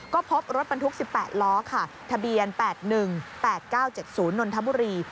ก็พบรถบรรทุก๑๘ล้อค่ะทะเบียน๘๑๘๙๗๐นนทบุรี